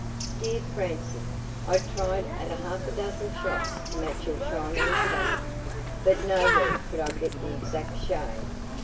"Dear Francie, I tried at half a dozen shops to match your Chinese satin, but nowhere could I get the exact shade.